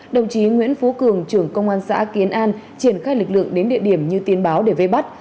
đồng chí nguyễn phú cường trưởng công an xã kiến an triển khai lực lượng đến địa điểm như tin báo để vây bắt